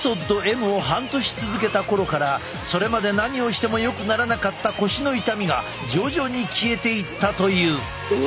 Ｍを半年続けた頃からそれまで何をしてもよくならなかった腰の痛みが徐々に消えていったという。え！？